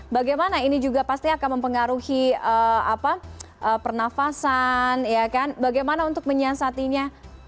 bagaimana ini juga pasti akan mempengaruhi pernafasan bagaimana untuk menyiasatinya